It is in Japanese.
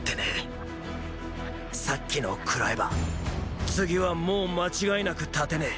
さっきのを食らえば次はもう間違いなく立てねェ。